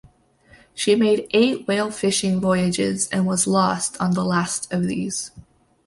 She made eight whale fishing voyages and was lost on the last of these.